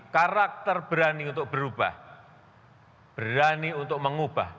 karakter berani untuk berubah berani untuk mengubah